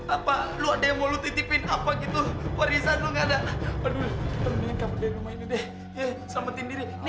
apa lu ada yang mau dititipin apa gitu warisan lu nggak ada aduh kabur dari rumah ini deh